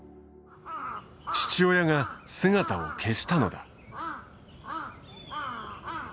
父親が姿を消したのだ。